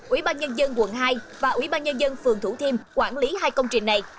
ủy ban nhân dân quận hai và ủy ban nhân dân phường thủ thiêm quản lý hai công trình này